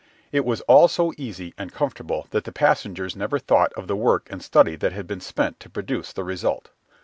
It was all so easy and comfortable that the passengers never thought of the work and study that had been spent to produce the result.